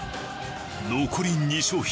残り２商品。